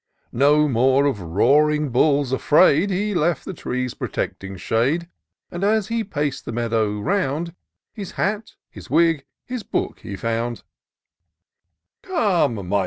No more of roaring hulls a&aid, He left the tree's protecting shade; And as he pac'd the meadow round, His hat, his mg, his hook he foimd.